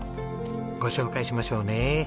ご紹介しましょうね。